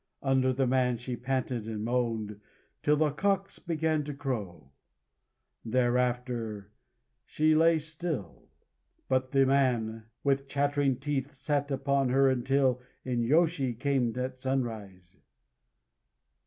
Under the man she panted and moaned till the cocks began to crow. Thereafter she lay still. But the man, with chattering teeth, sat upon her until the inyôshi came at sunrise.